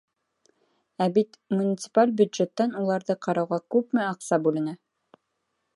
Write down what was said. Ә бит муниципаль бюджеттан уларҙы ҡарауға күпме аҡса бүленә.